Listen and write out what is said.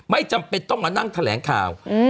ไม่จำเป็นต้องมานั่งแถลงข่าว